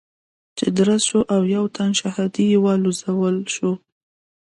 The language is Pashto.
چې درز شو او يو تن شهادي والوزول شو.